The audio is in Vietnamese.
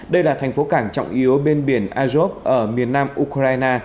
đây là thành phố cảng trọng yếu bên biển azov ở miền nam ukraine